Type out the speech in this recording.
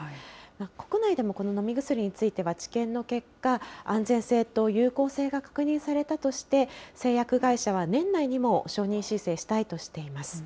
国内でもこの飲み薬については、治験の結果、安全性と有効性が確認されたとして、製薬会社は年内にも承認申請したいとしています。